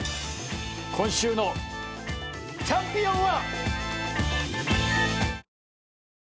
今週のチャンピオンは。